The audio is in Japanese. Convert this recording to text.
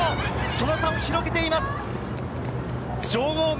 その差を広げています。